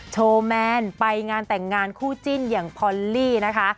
โชว์แมนไปงานแต่งงานคู่จิ้นอย่างพอลลี่นะคะ